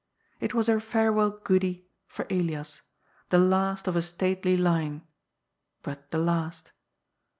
It was her farewell '^ goodie " for Elias, the last of a stately line, but the last.